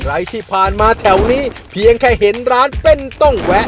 ใครที่ผ่านมาแถวนี้เพียงแค่เห็นร้านเต้นต้องแวะ